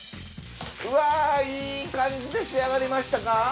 うわぁいい感じで仕上がりましたか？